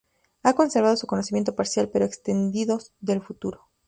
Ha conservado su conocimiento parcial pero extendido del futuro.